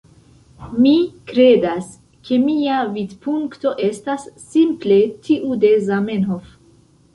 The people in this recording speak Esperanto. Mi kredas ke mia vidpunkto estas simple tiu de Zamenhof.